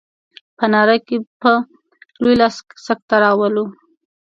په ناره کې په لوی لاس سکته راولو.